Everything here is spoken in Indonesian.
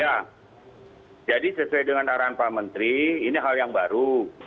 ya jadi sesuai dengan arahan pak menteri ini hal yang baru